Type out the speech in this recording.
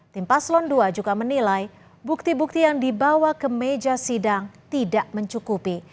tim paslon dua juga menilai bukti bukti yang dibawa ke meja sidang tidak mencukupi